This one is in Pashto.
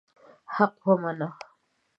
حق ومنه.